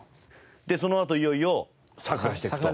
でそのあといよいよ作画していくと。